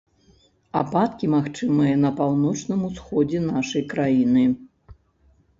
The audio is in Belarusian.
Ападкі магчымыя на паўночным усходзе нашай краіны.